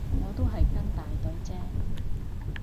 我都係跟大隊啫